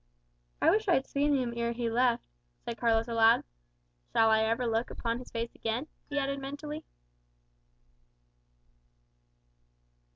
"I wish I had seen him ere he left," said Carlos aloud. "Shall I ever look upon his face again?" he added mentally.